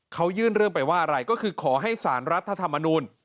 เขายื่นเรื่องไปว่าอะไรก็คือขอให้สารรัฐธรรมนูล